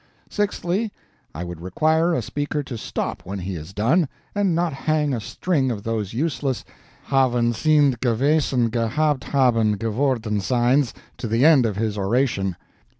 Sixthly, I would require a speaker to stop when he is done, and not hang a string of those useless "haven sind gewesen gehabt haben geworden seins" to the end of his oration.